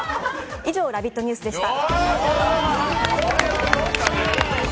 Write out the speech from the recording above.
以上、「ラヴィット！ニュース」でした。